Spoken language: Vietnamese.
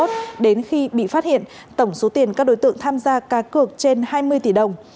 đến khi bị phát hiện tổng số tiền các đối tượng tham gia cá cược trên hai mươi tỷ đồng